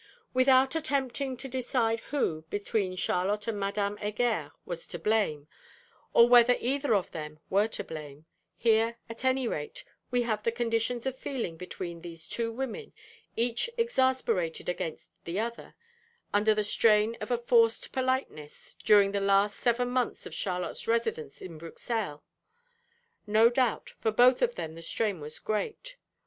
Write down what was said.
Without attempting to decide who, between Charlotte and Madame Heger, was to blame, or whether either of them were to blame, here, at any rate, we have the conditions of feeling between these two women: each exasperated against the other, under the strain of a forced politeness, during the last seven months of Charlotte's residence in Bruxelles. No doubt, for both of them the strain was great.